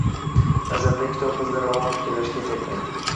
Nazarimda, kitob bizni ravon fikrlashga yetaklaydi.